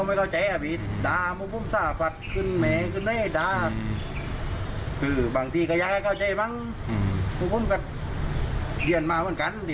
ผู้ปุ่มก็เรียนมาเหมือนกัน